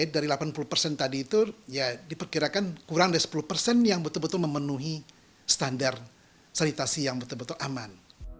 dari delapan puluh persen tadi itu ya diperkirakan kurang dari sepuluh persen yang betul betul memenuhi standar sanitasi yang betul betul aman